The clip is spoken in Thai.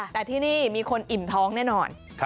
แต่ที่นี่มีคนอิ่มท้องแน่นอน